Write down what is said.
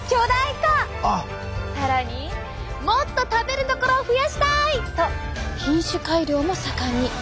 更にもっと食べるところを増やしたいと品種改良も盛んに。